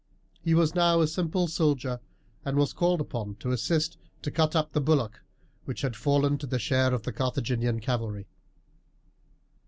He was now a simple soldier, and was called upon to assist to cut up the bullock which had fallen to the share of the Carthaginian cavalry.